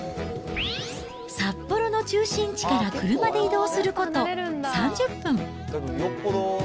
札幌の中心地から車で移動すること３０分。